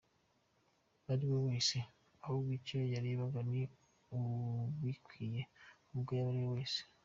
ariwe wese, ahubwo icyo yarebaga ni ubikwiye uwo yaba ariwe wese.